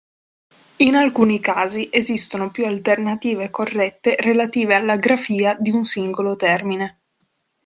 In alcuni casi esistono più alternative corrette relative alla grafia di un singolo termine.